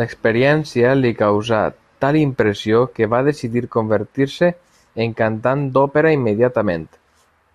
L'experiència li causà tal impressió que va decidir convertir-se en cantant d'òpera immediatament.